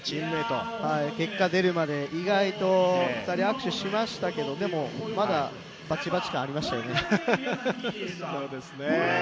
結果出るまで、意外と２人握手しましたけど、でもまだバチバチ感、ありましたよね。